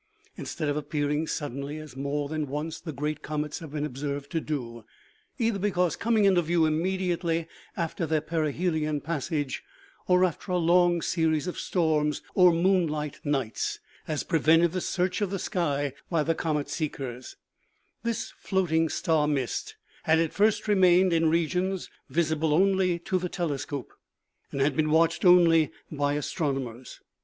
Instead of appearing suddenly, as more than once the great comets have been observed to do, either be cause coming into view immediately after their perihelion passage, or after a long ser ies of storms or moonlight nights has prevented the search of the sky by the comet seekers this float ing star mist had at first remained in regions visible only to the telescope, and had been watched only by astronomers.